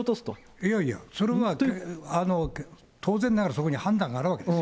いやいや、それは当然ながらそこに判断があるわけですよ。